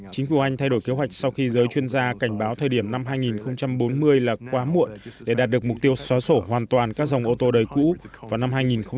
chính phủ anh thay đổi kế hoạch sau khi giới chuyên gia cảnh báo thời điểm năm hai nghìn bốn mươi là quá muộn để đạt được mục tiêu xóa sổ hoàn toàn các dòng ô tô đầy cũ vào năm hai nghìn năm mươi